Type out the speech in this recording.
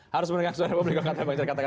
harus mendengarkan suara publik kata bang cara